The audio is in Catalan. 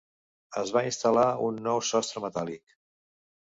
Es va instal·lar un nou sostre metàl·lic.